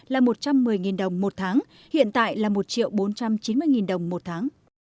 là một trăm một mươi đồng một tháng hiện tại là một bốn trăm chín mươi đồng một tháng